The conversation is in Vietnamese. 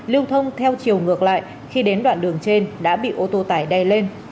lưu thông theo chiều ngược lại khi đến đoạn đường trên đã bị ô tô tải đè lên